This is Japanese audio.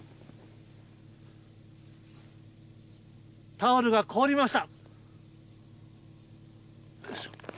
タオルが凍りました。